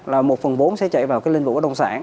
là một phần vốn sẽ chảy vào cái lĩnh vực bất động sản